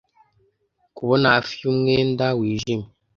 kubona hafi yumwenda wijimye